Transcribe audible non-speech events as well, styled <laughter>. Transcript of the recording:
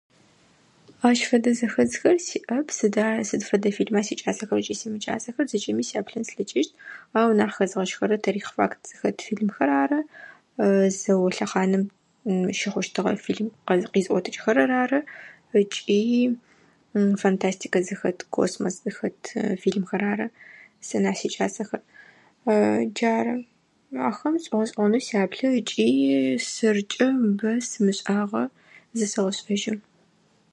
Ащ фэдэ зэхэдзэр сиӏэп сыда сыд фэдэ фильма сикӏасэхэ ыкӏи симыкӏасэхэ, зэкӏэми сяплъын слъэкӏыщт. Ау нахь хэзгъэщхэрэр тыарихъ, факт зыхэт фильмхэр рары. <hesitation> Зао лъэхъанэм щыхъущтыгъэ фильм къизӏотыкӏхэрэр ары ыкӏи <hesitation> фантастикэ зыхэт, космос зыхэт фильмхэр ары сэ нахь сикӏасэхэр, <hesitation> джары. Ахэм сшӏуогъэшӏэгъуонэу сыяплъы ыкӏи сэркӏэ бэ сымышӏагъэ зэсэгъэшӏэжьы.